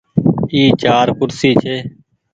اي چآر ڪُرسي ڇي۔